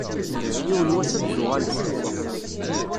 Yiwen n wass ad d-tuɣalem.